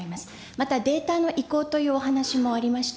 またデータの移行というお話もありました。